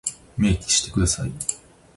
明記してください。